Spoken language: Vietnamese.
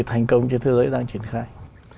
thành công trên thế giới đang triển khai